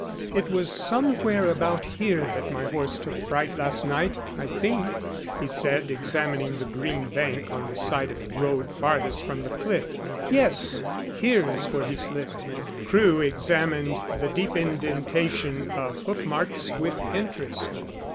"It was somewhere about here that my horse took fright last night, I think," he said, examining the green bank on the side of the road farthest from the cliff. "Yes, here is where he slipped." Crewe examined the deep indentation of hoofmarks with interest.